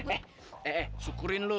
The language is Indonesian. eh eh syukurin lu